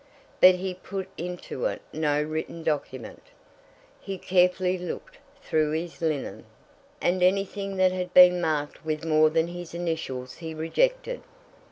But he put into it no written document. He carefully looked through his linen, and anything that had been marked with more than his initials he rejected.